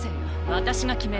私が決める。